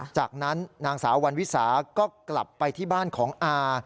จากนั้นนางสาววันวิสาก็กลับไปที่บ้านของอา